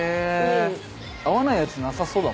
合わないやつなさそう。